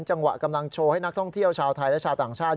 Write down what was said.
กำลังโชว์ให้นักท่องเที่ยวชาวไทยและชาวต่างชาติ